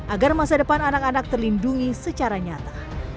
agar masa depan anak anak terlindungi secara nyata